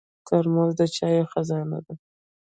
ترموز د چایو خزانه ده.